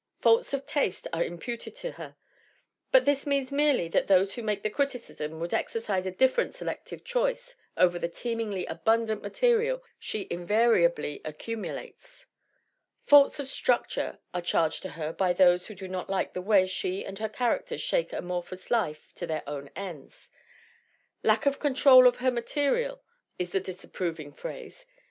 Faults of taste are imputed to her, but this means merely that those who make the criticism would exercise a different selective choice over the teemingly abundant material she invariably accumu lates. Faults of structure are charged to her by those who do not like the way she and her characters shape amorphous life to their own ends. "Lack of control of her material" is the disapproving phrase. Mrs.